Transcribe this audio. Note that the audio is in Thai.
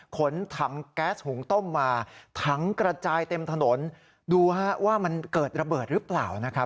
ขนถังแก๊สหุงต้มมาถังกระจายเต็มถนนดูฮะว่ามันเกิดระเบิดหรือเปล่านะครับ